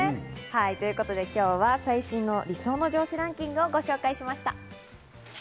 ということで、今日は最新の理想の上司ランキングをご紹介しました。